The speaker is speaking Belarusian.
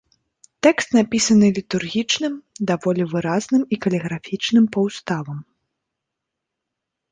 Тэкст напісаны літургічным, даволі выразным і каліграфічным паўуставам.